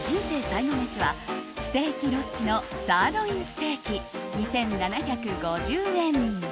最後メシはステーキロッヂのサーロインステーキ、２７５０円。